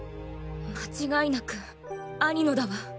間違いなく兄のだわ。